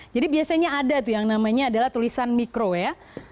jadi biasanya ada tuh yang namanya adalah tulisan mikro ya